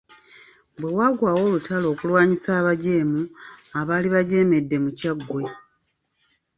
Bwe waagwawo olutalo okulwanyisa abajeemu abaali bajeemedde mu Kyaggwe.